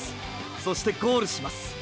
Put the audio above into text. そしてゴールします。